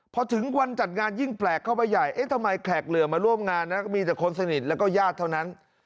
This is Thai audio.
พอถึงวันจัดงานยิ่งแปลกเข้าไปใหญ่เอ๊ะทำไมแขกเหลือมาร่วมงานนะ